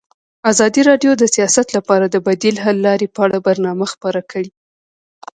ازادي راډیو د سیاست لپاره د بدیل حل لارې په اړه برنامه خپاره کړې.